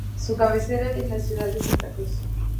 Su cabecera es la ciudad de Santa Cruz.